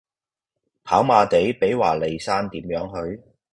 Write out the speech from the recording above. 跑馬地比華利山點樣去?